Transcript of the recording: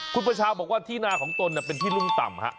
คุณประชาบอกว่าที่นาของตนเป็นที่รุ่มต่ำฮะ